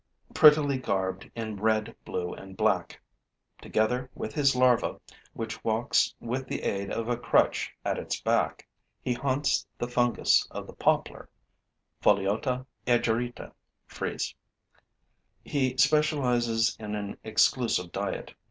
prettily garbed in red, blue and black. Together with his larva, which walks with the aid of a crutch at its back, he haunts the fungus of the poplar (Pholiota aegerita, FRIES). He specializes in an exclusive diet.